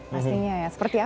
pastinya ya seperti apa